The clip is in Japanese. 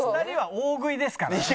２人は大食いですから。